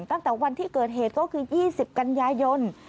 ตั้งแต่วันที่เกิดเหตุก็คือ๒๐กันยายน